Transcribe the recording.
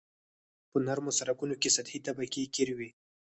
په نرمو سرکونو کې سطحي طبقه قیر وي